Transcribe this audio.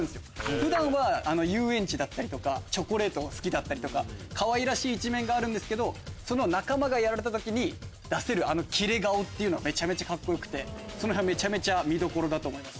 普段は遊園地だったりチョコレートが好きだったりかわいらしい一面があるんですけど仲間がやられた時に出せるキレ顔めちゃめちゃカッコよくてそのへんはめちゃめちゃ見どころだと思います。